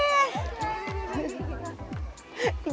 oh ada faiz